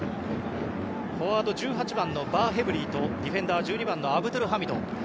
フォワード、１８番のバーヘブリーとディフェンダー１２番のアブドゥルハミド。